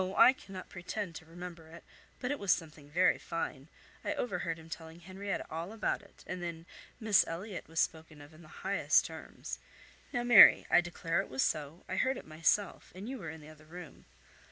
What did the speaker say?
I cannot pretend to remember it, but it was something very fine—I overheard him telling Henrietta all about it; and then 'Miss Elliot' was spoken of in the highest terms! Now Mary, I declare it was so, I heard it myself, and you were in the other room.